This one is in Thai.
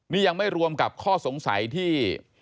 นี่ยังไม่รวมกับข้อสงสัยที่